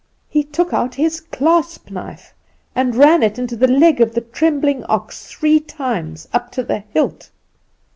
"He took out his clasp knife, and ran it into the leg of the trembling ox three times, up to the hilt.